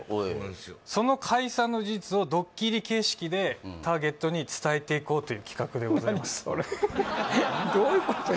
よその解散の事実をドッキリ形式でターゲットに伝えていこうという企画でございますどういうこと？